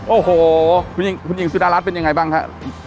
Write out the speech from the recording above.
โอ้โหคุณหญิงสุดารัฐเป็นยังไงบ้างฮะ